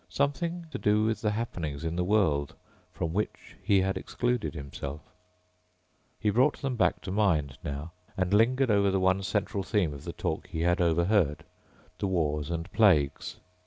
Something to do with the happenings in the world from which he had excluded himself. He brought them back to mind now and lingered over the one central theme of the talk he overheard: the wars and plagues.